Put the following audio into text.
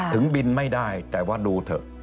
ถึงบินไม่ได้แต่ว่าดูเถอะ